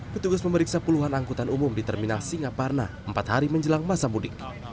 petugas memeriksa puluhan angkutan umum di terminal singaparna empat hari menjelang masa mudik